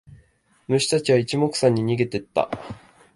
虫たちは一目散に逃げてった。